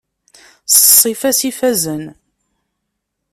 S ssifa-s ifazen.